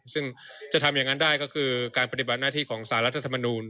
ซึ่งจะทำอย่างนั้นได้ก็คือการปฏิบัติหน้าที่ของสารรัฐธรรมนูล